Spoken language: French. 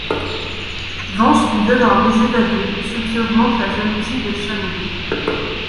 Vance lui donne un baiser d'adieu, ce qui augmente la jalousie de Chan Lo.